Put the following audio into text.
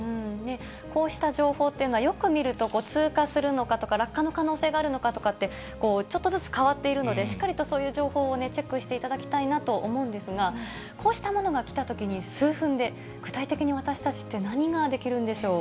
こうした情報というのは、よく見ると、通過するのかとか、落下の可能性があるのかとかって、ちょっとずつ変わっているので、しっかりとそういう情報をチェックしていただきたいなと思うんですが、こうしたものが来たときに、数分で具体的に私たちって何ができるんでしょう。